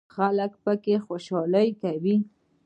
خلک پکې خوشحالي کوي.